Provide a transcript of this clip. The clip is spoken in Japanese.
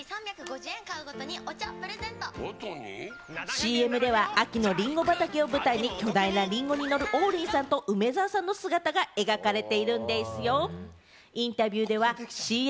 ＣＭは秋のリンゴ畑を舞台に巨大なリンゴに乗る王林さんと梅沢さんの姿が描かれているんですよ。